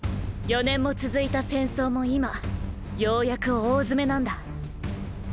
４年も続いた戦争も今ようやく大詰めなんだ。